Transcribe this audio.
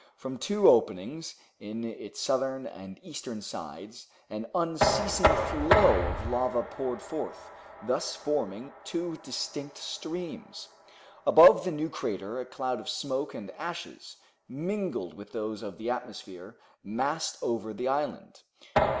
From two openings in its southern and eastern sides an unceasing flow of lava poured forth, thus forming two distinct streams. Above the new crater a cloud of smoke and ashes, mingled with those of the atmosphere, massed over the island.